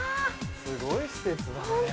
すごい施設だね。